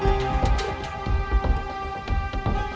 ya udah dia sudah selesai